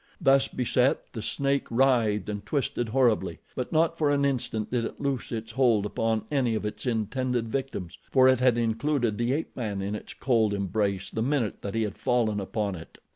Thus beset the snake writhed and twisted horribly; but not for an instant did it loose its hold upon any of its intended victims, for it had included the ape man in its cold embrace the minute that he had fallen upon it.